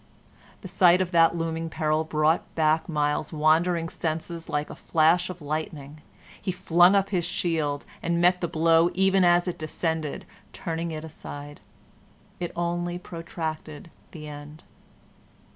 The sight of that looming peril brought back Myles's wandering senses like a flash of lightning. He flung up his shield, and met the blow even as it descended, turning it aside. It only protracted the end.